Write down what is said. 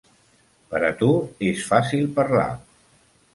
Per a tu és fàcil parlar.